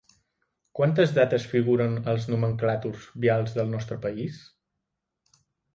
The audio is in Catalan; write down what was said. Quantes dates figuren als nomenclàtors vials del nostre país?